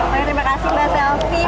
terima kasih mbak selvi mas gibran